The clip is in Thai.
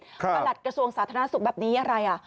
ประหลัดกระทรวงสาธารณสุขแบบนี้อะไร